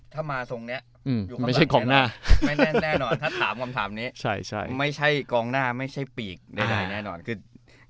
ถ้ามาตรงนี้ไม่ใช่กองหน้าถ้าถามคำถามนี้ไม่ใช่กองหน้าไม่ใช่ปีกได้ไหนแน่นอน